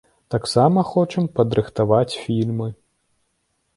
Таксама хочам падрыхтаваць фільмы.